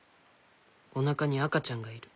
おなかに赤ちゃんがいる。